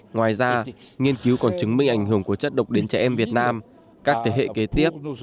ngoài ra nghiên cứu còn chứng minh ảnh hưởng của chất độc đến trẻ em việt nam các thế hệ kế tiếp